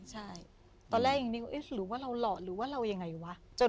ใช่ตอนแรกอย่างนี้หรือว่าเราหล่อหรือว่าเราอย่างไรวะ